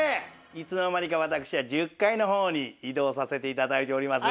いつの間にか私は１０階のほうに移動させていただいております。